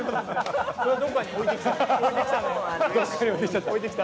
どこかに置いてきちゃった。